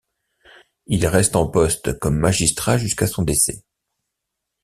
Il reste en poste comme magistrat jusqu'à son décès.